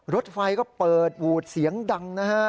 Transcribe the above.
รถไฟก็เปิดวูดเสียงดังนะฮะ